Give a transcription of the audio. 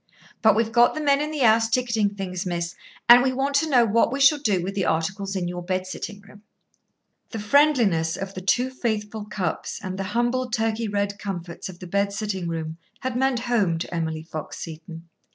But we've got the men in the house ticketing things, miss, and we want to know what we shall do with the articles in your bed sitting room." The friendliness of the two faithful Cupps and the humble Turkey red comforts of the bed sitting room had meant home to Emily Fox Seton.